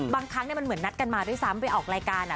บางครั้งมันเหมือนนัดกันมาด้วยซ้ำไปออกรายการ